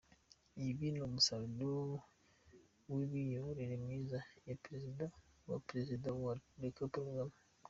Ibi ni umusaruro w’imiyoborere myiza ya Perezida ya Perezida wa Repubulika Paul Kagame.